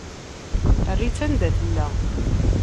Err-itt anda tella.